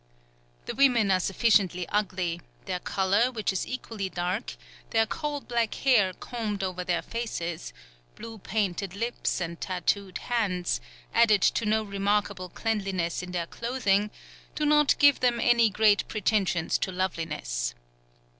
The women are sufficiently ugly; their colour, which is equally dark, their coal black hair combed over their faces, blue painted lips, and tattooed hands, added to no remarkable cleanliness in their clothing, do not give them any great pretensions to loveliness....